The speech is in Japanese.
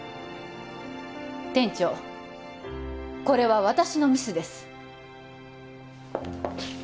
これは私のミスです